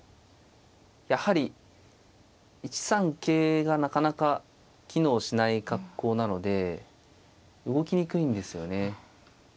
やはり１三桂がなかなか機能しない格好なので動きにくいんですよね。